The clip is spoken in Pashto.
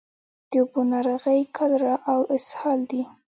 د اوبو ناروغۍ کالرا او اسهال دي.